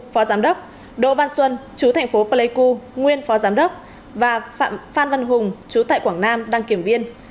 phó giám đốc đỗ văn xuân chú thành phố pleiku nguyên phó giám đốc và phạm phan văn hùng chú tại quảng nam đăng kiểm viên